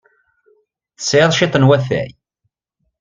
Tesɛiḍ cwiṭ n watay?